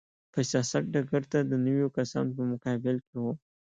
په سیاست ډګر ته د نویو کسانو په مقابل کې و.